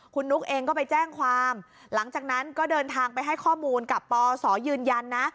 คุณนุ๊กเองก็ไปแจ้งความหลังจากนั้นก็เดินทางไปให้ข้อมูลกับปศยืนยันนะ